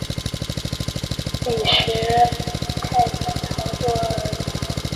利什派森陶多尔扬。